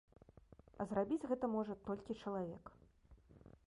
А зрабіць гэта можа толькі чалавек.